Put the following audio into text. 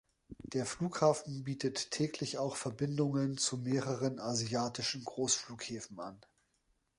Der Flughafen bietet täglich auch Verbindungen zu mehreren asiatischen Großflugflughäfen an.